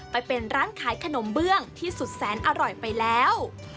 ไปเป็นร้านขายขนมเบื้องที่สุดแสนอร่อยไปแล้ว